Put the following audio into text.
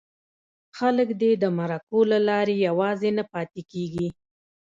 خلک دې د مرکو له لارې یوازې نه پاتې کېږي.